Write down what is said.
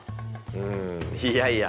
うんいやいや